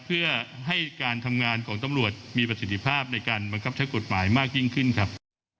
เพื่อให้การทำงานของตำรวจมีประสิทธิภาพในการบังคับใช้กฎหมายมากยิ่งขึ้นครับ